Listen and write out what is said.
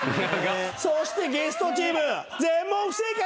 そしてゲストチーム全問不正解。